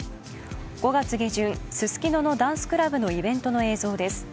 ５月下旬、ススキのダンスクラブのイベントの映像です。